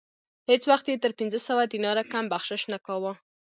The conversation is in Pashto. هیڅ وخت یې تر پنځه سوه دیناره کم بخشش نه کاوه.